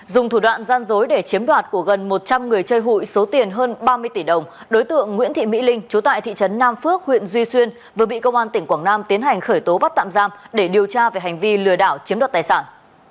dùng thủ đoạn gian dối để chiếm đoạt của gần một trăm linh người chơi hụi số tiền hơn ba mươi tỷ đồng đối tượng nguyễn thị mỹ linh chú tại thị trấn nam phước huyện duy xuyên vừa bị công an tỉnh quảng nam tiến hành khởi tố bắt tạm giam để điều tra về hành vi lừa đảo chiếm đoạt tài sản